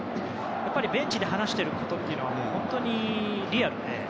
ベンチで話していることとは本当にリアルで。